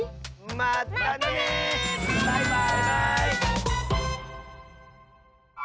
まったねバイバーイ！